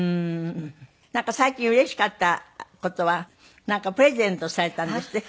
なんか最近うれしかった事はプレゼントされたんですって？